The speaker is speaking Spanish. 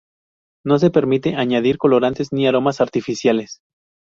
No se permite añadir colorantes ni aromas artificiales.